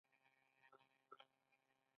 کاناډا د روغتیا اداره لري.